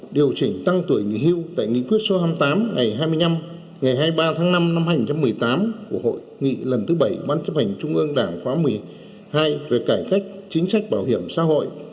điều chỉnh tăng tuổi nghỉ hưu tại nghị quyết số hai mươi tám ngày hai mươi năm ngày hai mươi ba tháng năm năm hai nghìn một mươi tám của hội nghị lần thứ bảy ban chấp hành trung ương đảng khóa một mươi hai về cải cách chính sách bảo hiểm xã hội